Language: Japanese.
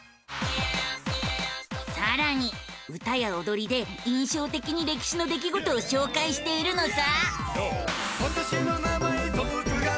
さらに歌やおどりで印象的に歴史の出来事を紹介しているのさ！